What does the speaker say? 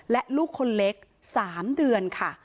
และลูกคนเล็ก๓เดือนค่ะ